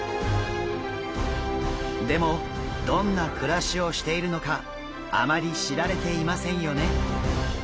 でもどんな暮らしをしているのかあまり知られていませんよね？